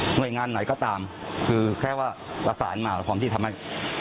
หน่วยงานไหนก็ตามคือแค่ว่าประสานมาพร้อมที่ทำให้